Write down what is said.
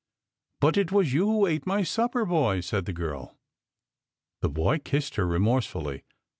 " But it was you who ate my supper, boy," said the girl. The boy kissed her remorsefully.